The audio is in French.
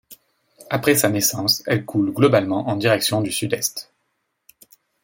Après sa naissance, elle coule globalement en direction du sud-est.